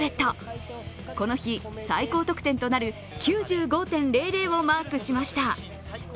この日、最高得点となる９５．００をマークしました。